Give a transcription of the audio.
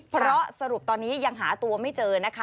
เพราะสรุปตอนนี้ยังหาตัวไม่เจอนะคะ